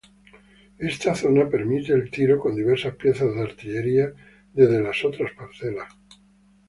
Esta zona permite el tiro con diversas piezas de artillería desde las otras parcelas.